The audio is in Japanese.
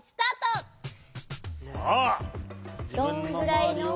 どんぐらいの？